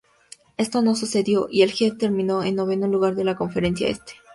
Esto no sucedió y el Heat, terminó en noveno lugar de la Conferencia Este.